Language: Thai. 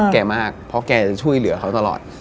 แกมากเพราะแกจะช่วยเหลือเขาตลอด